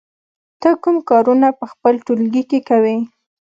ته کوم کارونه په خپل ټولګي کې کوې؟